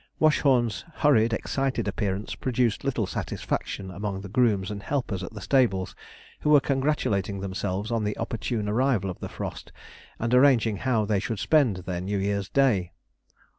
Watchorn's hurried, excited appearance produced little satisfaction among the grooms and helpers at the stables, who were congratulating themselves on the opportune arrival of the frost, and arranging how they should spend their New Year's Day.